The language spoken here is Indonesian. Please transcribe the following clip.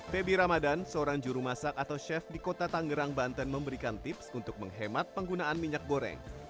feby ramadan seorang juru masak atau chef di kota tanggerang banten memberikan tips untuk menghemat penggunaan minyak goreng